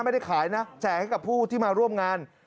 ไม่ได้ขายนะแจกให้กับผู้ที่มาร่วมงาน